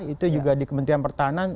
itu juga di kementerian pertahanan